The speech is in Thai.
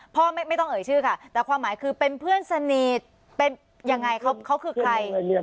พ่อไม่ต้องเอ่ยชื่อค่ะแต่ความหมายคือเป็นเพื่อนสนิทเป็นยังไงเขาคือใคร